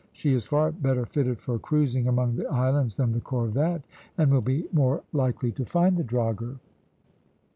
She is far better fitted for cruising among the islands than the corvette, and will be more likely to find the drogher."